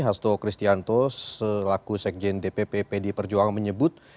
hasto kristianto selaku sekjen dpp pd perjuangan menyebut